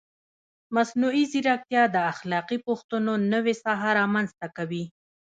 مصنوعي ځیرکتیا د اخلاقي پوښتنو نوې ساحه رامنځته کوي.